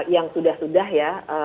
yang sudah sudah ya